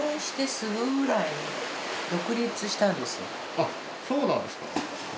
あっそうなんですか。